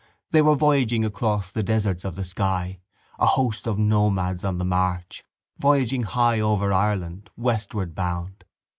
They were voyaging across the deserts of the sky, a host of nomads on the march, voyaging high over Ireland, westward bound.